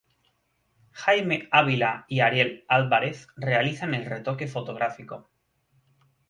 Jaime Avila y Ariel Alvarez realizan el retoque fotográfico.